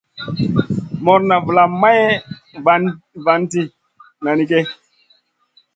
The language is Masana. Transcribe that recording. Morna valam Mey vanti nanigue.